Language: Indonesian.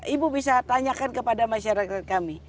ibu bisa tanyakan kepada masyarakat kami